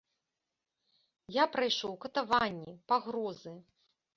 Я прайшоў катаванні, пагрозы.